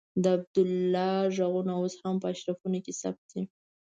د عبدالله غږونه اوس هم په آرشیفونو کې ثبت دي.